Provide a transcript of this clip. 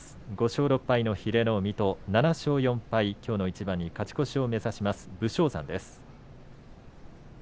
５勝６敗の英乃海と７勝４敗きょうの一番に勝ち越しを目指します武将山です。